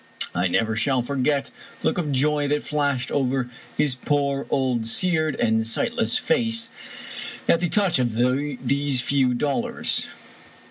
I never shall forget the look of joy that flashed over his poor old seared and sightless face at the touch of these few dollars.